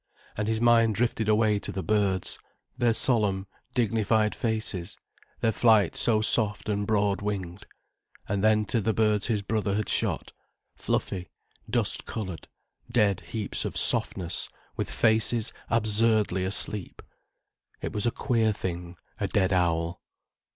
And his mind drifted away to the birds, their solemn, dignified faces, their flight so soft and broad winged. And then to the birds his brother had shot, fluffy, dust coloured, dead heaps of softness with faces absurdly asleep. It was a queer thing, a dead owl.